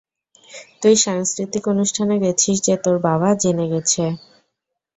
তুই সাংস্কৃতিক অনুষ্ঠানে গেছিস যে তোর বাবা জেনে গেছে।